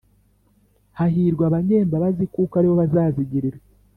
Hahirwa abanyembabazi kuko aribo bazazigirirwa